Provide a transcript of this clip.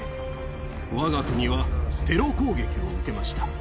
わが国はテロ攻撃を受けました。